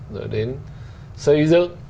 rồi đến xây dựng